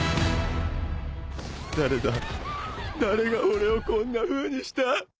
誰だ誰がオレをこんなふうにした！？